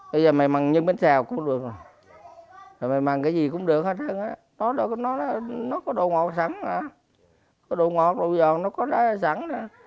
bây giờ mày măng nhân bánh xèo cũng được rồi mày măng cái gì cũng được hết nó có đồ ngọt sẵn có đồ ngọt đồ giòn nó có đá sẵn